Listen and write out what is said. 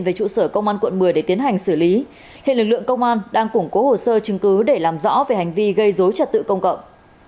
về trụ sở công an quận một mươi để tiến hành xử lý hiện lực lượng công an đang củng cố hồ sơ chứng cứ để làm rõ về hành vi gây dối trật tự công cộng